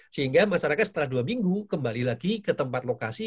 sehingga masyarakat setelah dua minggu kembali lagi ke tempat lokasi